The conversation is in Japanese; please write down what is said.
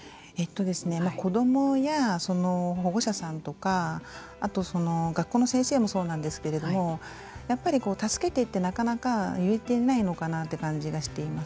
子どもやその保護者さんとかあと、学校の先生もそうなんですけどやっぱり助けてってなかなか言えていないのかなという感じがしています。